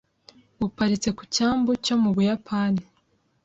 buparitse ku cyambu cyo mu Buyapani